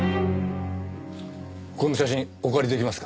この写真お借り出来ますか？